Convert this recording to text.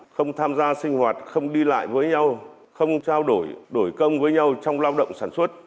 không tham gia sinh hoạt không đi lại với nhau không trao đổi đổi công với nhau trong lao động sản xuất